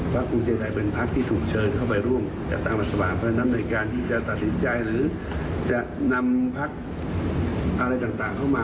พักไหนไม่ได้เขาบอกไปแล้วเขาก็ไม่ได้เอาเข้ามา